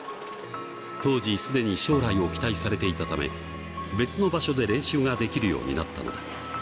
当時すでに将来を期待されていたため、別の場所で練習ができるようになったのだ。